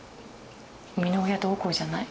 産みの親どうこうじゃない。